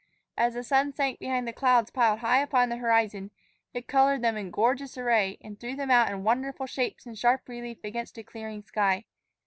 As the sun sank behind the clouds piled high upon the horizon, it colored them in gorgeous array and threw them out in wonderful shapes and sharp relief against a clearing sky.